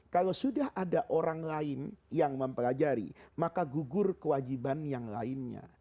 kalau sudah ada orang lain yang mempelajari maka gugur kewajiban yang lainnya